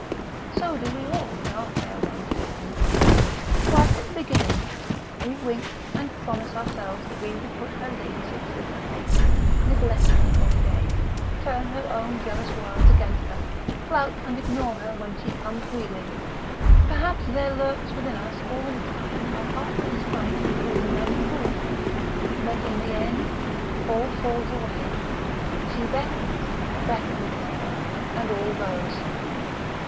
So do we all when our Fair Ones beckon. Quite at the beginning we wink, and promise ourselves that we will put Her Ladyship through her paces, neglect her for a day, turn her own jealous wiles against her, flout and ignore her when she comes wheedling; perhaps there lurks within us all the time a heartless sprite who is never fooled; but in the end all falls away. She beckons, beckons, and all goes....